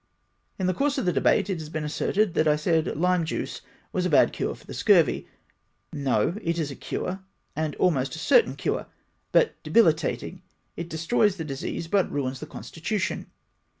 "' In the course of the debate it has been asserted, that I said lime juice was a bad cure for the scurvy — no, it is a cure, and almost a certain cure, but debilitating — it de stroys the disease, but ruins the constitution.